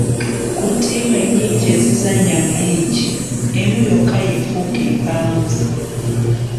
Ku ttiimu ennyingi ezizannya mu liigi, emu yokka y'efuuka empanguzi.